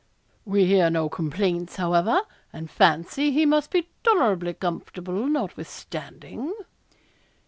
'We hear no complaints, however, and fancy he must be tolerably comfortable notwithstanding.'